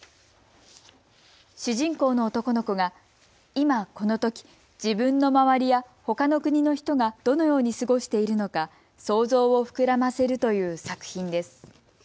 主人公の男の子が今このとき、自分の周りやほかの国の人がどのように過ごしているのか想像を膨らませるという作品です。